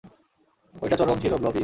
ঐটা চরম ছিলো, ব্লবি।